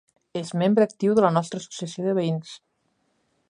És membre actiu de la nostra associació de veïns.